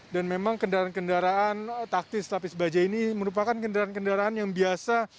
dan memang kendaraan kendaraan taktis lapis baja ini merupakan kendaraan kendaraan yang biasa